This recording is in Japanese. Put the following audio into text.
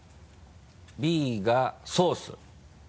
「Ｂ」がソース。